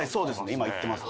今行ってます。